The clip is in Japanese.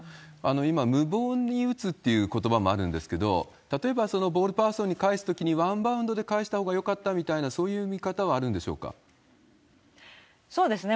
今、無謀に打つということばもあるんですけれども、例えば、ボールパーソンに返すときに、ワンバウンドで返したほうがよかったみたいな、そういう見方はあそうですね。